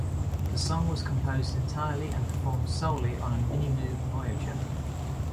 The song was composed entirely and performed solely on a Minimoog Voyager.